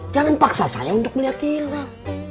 jangan paksa saya untuk melihat hilal